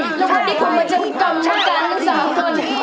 และผมได้พบมาจากกรรมการทั้งสามคน